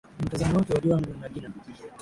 ni mtazamo wake ojwang nagina